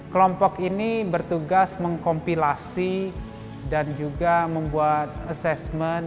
kelompok ini bertugas mengkompilasi dan juga membuat assessment